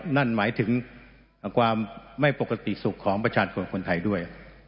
นั่นหมายถึงความไม่ปกติสุขของประชาชนคนไทยด้วย